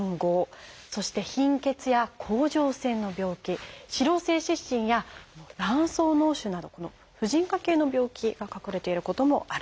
そして「貧血」や「甲状腺の病気」「脂漏性湿疹」や「卵巣のう腫」など婦人科系の病気が隠れていることもあるんです。